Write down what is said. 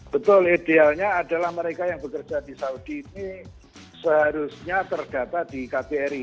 betul idealnya adalah mereka yang bekerja di saudi ini seharusnya terdata di kbri